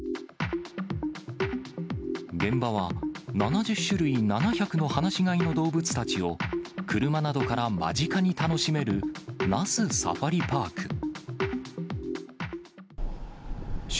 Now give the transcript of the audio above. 現場は７０種類７００の放し飼いの動物たちを車などから間近に楽しめる那須サファリパーク。